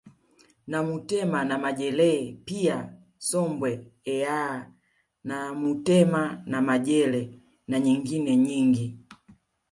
Namutema na majelee pia sombwe eyaaa namutema na majele na nyingine nyingi